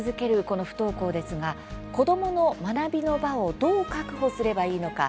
この不登校ですが子どもの学びの場をどう確保すればいいのか。